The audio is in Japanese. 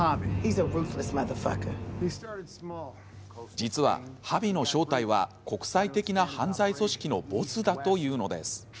実は、ハビの正体は国際的な犯罪組織のボスだというのです。